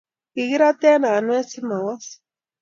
kikirate anwet si ma was